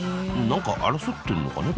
何か争ってるのかね？